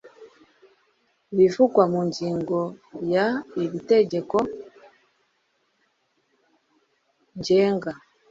ibivugwa mu ngingo ya y iri tegeko ngenga